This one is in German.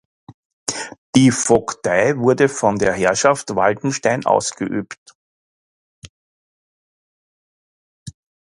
Die Vogtei wurde von der Herrschaft Waldenstein ausgeübt.